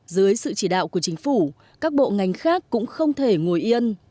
dưới sự chỉ đạo của chính phủ các bộ ngành khác cũng không thể ngồi yên